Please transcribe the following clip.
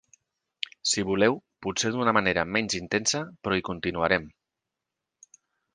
Si voleu, potser d’una manera menys intensa, però hi continuarem.